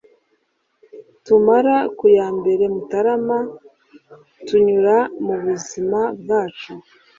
tumara ku ya mbere mutarama tunyura mu buzima bwacu